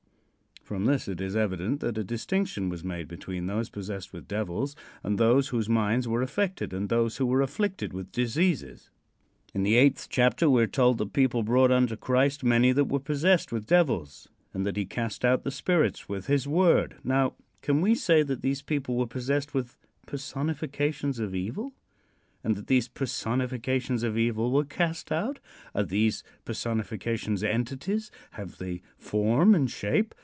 From this it is evident that a distinction was made between those possessed with devils and those whose minds were affected and those who were afflicted with diseases. In the eighth chapter we are told that people brought unto Christ many that were possessed with devils, and that he cast out the spirits with his word. Now, can we say that these people were possessed with personifications of evil, and that these personifications of evil were cast out? Are these personifications entities? Have they form and shape?